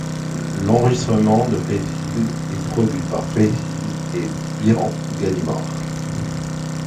L'enregistrement de Faith Hill est produit par Faith Hill et Byron Gallimore.